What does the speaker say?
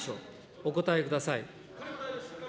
お答えください。